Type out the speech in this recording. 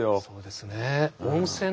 そうですね。